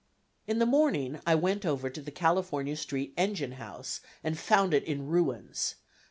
In the morning I went over to the California Street engine house, and found it in ruins.